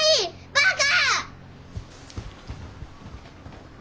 バカ！